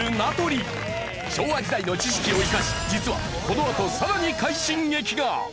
昭和時代の知識を生かし実はこのあとさらに快進撃が！